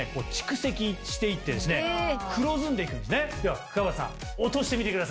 ではくわばたさん落としてみてください。